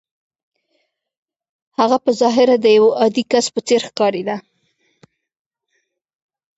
هغه په ظاهره د يوه عادي کس په څېر ښکارېده.